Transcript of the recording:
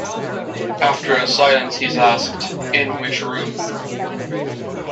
After a silence he is asked, "In which room?"